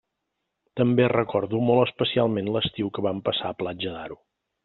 També recordo molt especialment l'estiu que vam passar a Platja d'Aro.